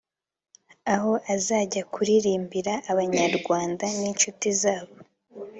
aho azajya kuririmbira Abanyarwanda n’inshuti zabo